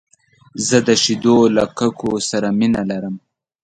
زه د شیدو له ککو سره مینه لرم .